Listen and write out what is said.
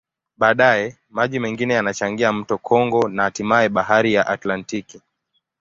Baadaye, maji mengine yanachangia mto Kongo na hatimaye Bahari ya Atlantiki.